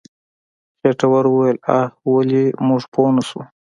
خېټور وويل اخ ولې موږ پوه نه شو.